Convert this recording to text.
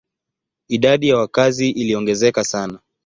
Idadi ya wakazi iliongezeka sana.